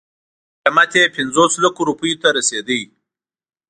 قیمت یې پنځوس لکو روپیو ته رسېدله.